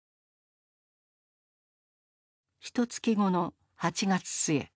ひとつき後の８月末。